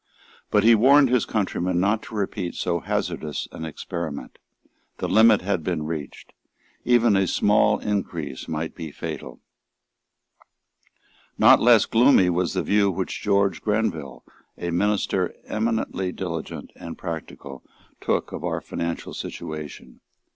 But he warned his countrymen not to repeat so hazardous an experiment. The limit had been reached. Even a small increase might be fatal. Not less gloomy was the view which George Grenville, a minister eminently diligent and practical, took of our financial situation.